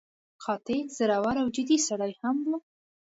قاطع، زړور او جدي سړی هم و.